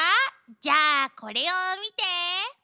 じゃあこれを見て。